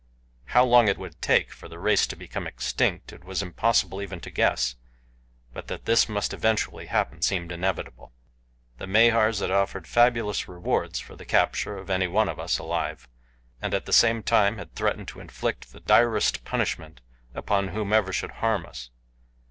How long it would take for the race to become extinct it was impossible even to guess; but that this must eventually happen seemed inevitable. The Mahars had offered fabulous rewards for the capture of any one of us alive, and at the same time had threatened to inflict the direst punishment upon whomever should harm us.